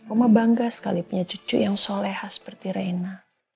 oma bangga sekali punya cucu yang soleha seperti reina